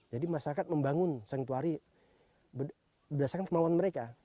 jadi masyarakat membangun sanktuari berdasarkan kemauan mereka